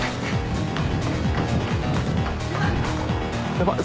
ヤバい。